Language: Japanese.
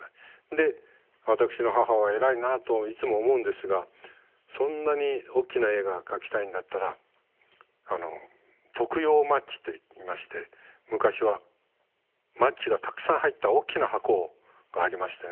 で私の母は偉いなあといつも思うんですがそんなにおっきな絵が描きたいんだったらあの徳用マッチといいまして昔はマッチがたくさん入ったおっきな箱がありましてね